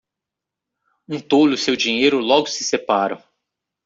Um tolo e seu dinheiro logo se separaram.